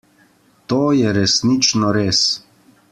To je resnično res.